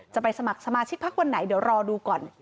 จะไปสมัครสมาชิกพักวันไหนเดี๋ยวรอดูก่อน